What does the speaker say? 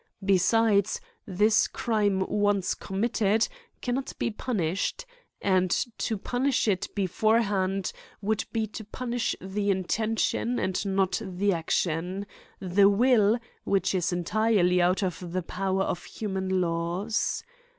Besides, this crime once committed can not be punished ; and to punish it before hand would be to punish the intention and not the ac tion, the will, which is entirely out of the power of human laws.